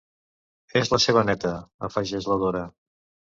És la seva neta —afegeix la Dora.